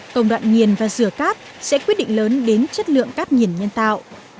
công đoạn nghiền và rửa cát sẽ quyết định lớn đến chất lượng cát nghiền nhân tạo